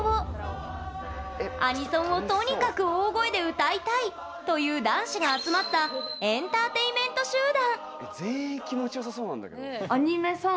アニソンを、とにかく大声で歌いたいという男子が集まったエンターテインメント集団！